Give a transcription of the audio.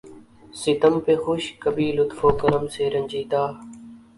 ستم پہ خوش کبھی لطف و کرم سے رنجیدہ